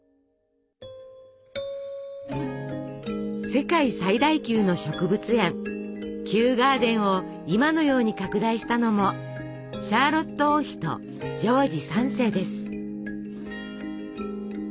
世界最大級の植物園「キューガーデン」を今のように拡大したのもシャーロット王妃とジョージ３世です。